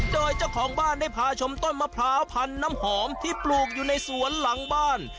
โดยเจ้าของบ้านได้พาชมต้นมะพร้าวพันน้ำหอมที่ปลูกอยู่ในสวนหลังบ้าน